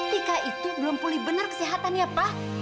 tika itu belum pulih benar kesehatannya pak